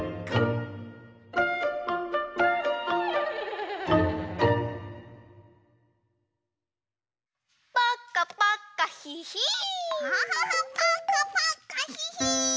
キャハハパッカパッカヒヒーン！